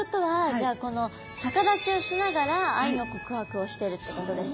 じゃあこの逆立ちをしながら愛の告白をしてるってことですね。